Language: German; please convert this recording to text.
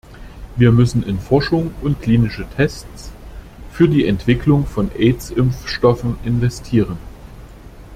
Wir müssen in Forschung und klinische Tests für die Entwicklung von Aids-Impfstoffen investieren.